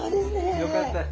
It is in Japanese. よかった。